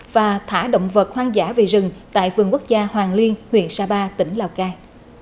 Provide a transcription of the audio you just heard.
và thả động vật hoang dã về rừng tại vườn quốc gia hoàng liên huyện sapa tỉnh lào cai